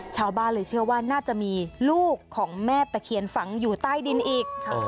ชาวบ้านเลยเชื่อว่าน่าจะมีลูกของแม่ตะเคียนฝังอยู่ใต้ดินอีก